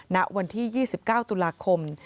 ณวันที่๒๙ตุลาคม